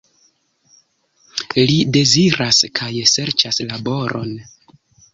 Li deziras kaj serĉas laboron.